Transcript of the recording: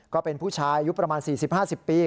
ก็เป็นผู้ชายอายุประมาณ๔๐๕๐ปี